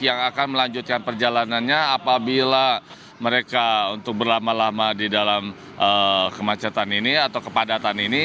yang akan melanjutkan perjalanannya apabila mereka untuk berlama lama di dalam kemacetan ini atau kepadatan ini